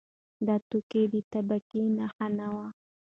دا توکی د طبقې نښه نه وه.